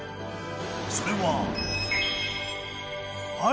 それは。